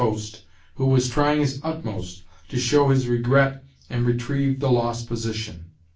ho.st. who was trying his utmost to show hia regret and retrieve the lost position?